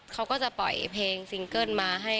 เขาก็จะปล่อยเพลงซิงเกิ้ลมาให้